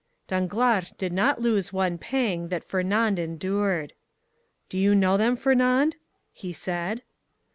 Danglars did not lose one pang that Fernand endured. "Do you know them, Fernand?" he said.